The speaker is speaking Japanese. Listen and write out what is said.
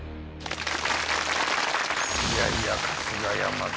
いやいや春日山城